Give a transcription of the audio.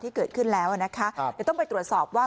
ที่เกิดขึ้นแล้วนะคะเดี๋ยวต้องไปตรวจสอบว่า